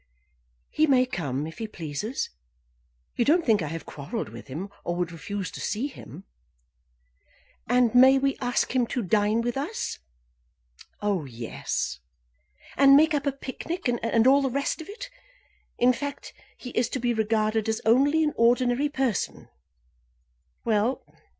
"He may come if he pleases. You don't think I have quarrelled with him, or would refuse to see him!" "And may we ask him to dine with us?" "Oh, yes." "And make up a picnic, and all the rest of it. In fact, he is to be regarded as only an ordinary person.